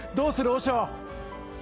和尚！